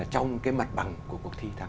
trong cái mặt bằng của cuộc thi tháng năm